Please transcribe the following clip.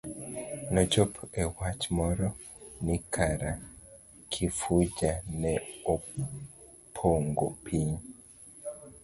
Nochopo e wach moro ni kara Kifuja ne opongo piny.